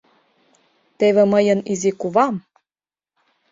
Теве мыйын изи кувам...